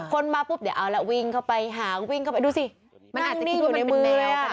คนมาปุ๊บเดี๋ยวเอาละวิ่งเข้าไปหาวิ่งเข้าไปดูสินั่งนิ่งอยู่ในมือ